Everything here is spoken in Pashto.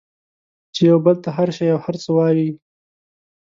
چې یو بل ته هر شی او هر څه وایئ